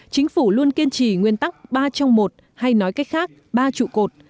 chính phủ luôn kiên trì nguyên tắc ba trong một hay nói cách khác ba trụ cột